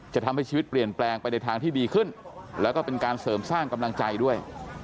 จะทำให้ชีวิตเปลี่ยนแปลงไปในทางที่ดีขึ้นแล้วก็เป็นการเสริมสร้างกำลังใจด้วย